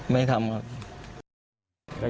ไม่ทำครับ